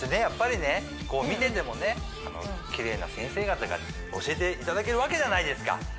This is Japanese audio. やっぱりね見ててもねキレイな先生方が教えていただけるわけじゃないですか